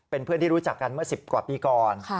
เป็นเพื่อนรู้จักกันมา๑๐กว่าปีก่อน